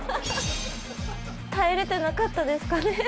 耐えられてなかったですかね？